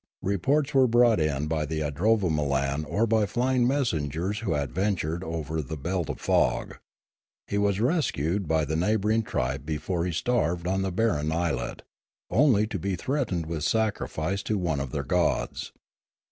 Reports were brought in by the idrovamolan or by flying messengers who had ventured over the belt of fog. He was rescued by the neigh bouring tribe before he starved on the barren islet, only to be threatened with sacrifice to one of their gods.